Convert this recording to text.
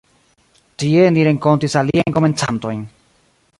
Tie, ni renkontis aliajn komencantojn.